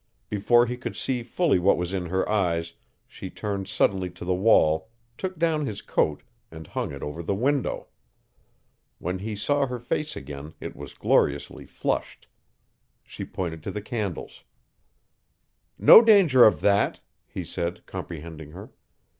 Before he could see fully what was in her eyes she turned suddenly to the wall, took down his coat, and hung it over the window. When he saw her face again it was gloriously flushed. She pointed to the candles. "No danger of that," he said, comprehending her.